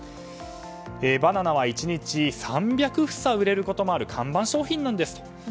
バナナは１日３００房売れることもある看板商品なんですと。